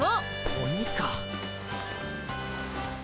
鬼か？